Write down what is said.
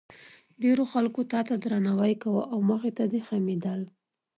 ډېرو خلکو تا ته درناوی کاوه او مخې ته دې خمېدل.